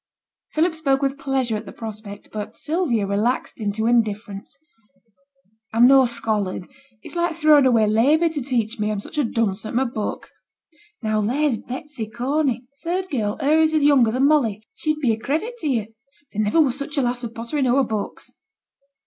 Philip spoke with pleasure at the prospect, but Sylvia relaxed into indifference. 'I'm no scholard; it's like throwing away labour to teach me, I'm such a dunce at my book. Now there's Betsy Corney, third girl, her as is younger than Molly, she'd be a credit to you. There niver was such a lass for pottering ower books.'